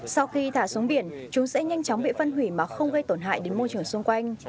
sau khi thả xuống biển chúng sẽ nhanh chóng bị phân hủy mà không gây tổn hại đến môi trường xung quanh